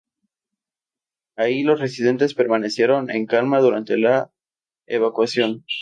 Ahí, los residentes permanecieron en calma durante la evacuación.